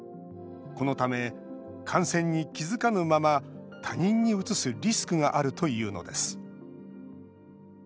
このため感染に気付かぬまま他人にうつすリスクがあるというのです。